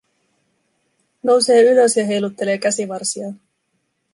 Nousee ylös ja heiluttelee käsivarsiaan.